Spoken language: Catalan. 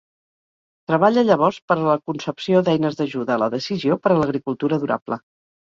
Treballa llavors per a la concepció d'eines d'ajuda a la decisió per a l'agricultura durable.